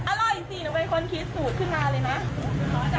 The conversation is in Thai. อร่อยสิหนูเป็นคนคิดสูตรขึ้นมาเลยนะ